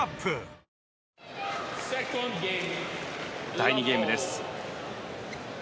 第２ゲームです。